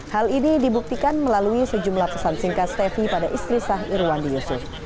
hal ini dibuktikan melalui sejumlah pesan singkat stefi pada istri sah irwandi yusuf